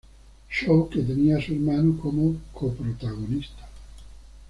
Show", que tenía a su hermano como coprotagonista.